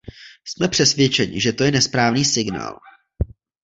Jsme přesvědčeni, že to je nesprávný signál.